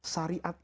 syariat itu berbeda